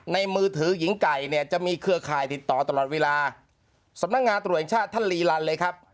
ในมือถือหญิงไก่เนี้ยจะมีเครื่องคายติดต่อตลอดเวลาสำนางงาตุรกิจชาติท่านลีลันด์เลยครับ